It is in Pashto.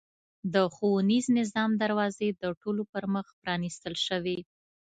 د ښوونیز نظام دروازې د ټولو پرمخ پرانېستل شوې.